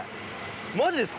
マジですか？